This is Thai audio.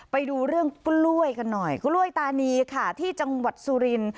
ไปดูเรื่องกล้วยกันหน่อยกล้วยตานีค่ะที่จังหวัดสุรินทร์